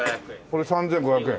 これ３５００円？